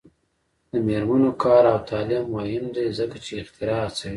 د میرمنو کار او تعلیم مهم دی ځکه چې اختراع هڅوي.